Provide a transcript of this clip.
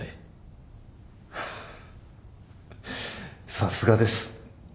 さすがです。